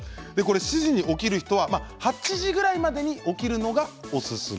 ７時に起きる人は８時ぐらいまでに起きるのがおすすめ。